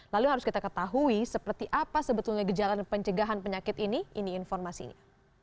lalu harus kita ketahui seperti apa sebetulnya gejala dan pencegahan penyakit ini ini informasinya